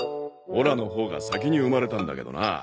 オラのほうが先に生まれたんだけどな。